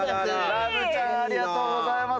ラブちゃん、ありがとうございます。